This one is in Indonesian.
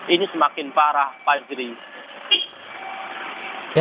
ini semakin parah pak idri